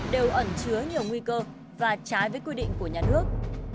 đều ẩn chứa nhiều nguy cơ và trái với quy định của nhà nước